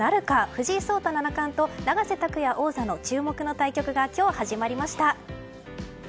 藤井聡太七冠と永瀬拓矢王座の注目の対局が今日、始まりました。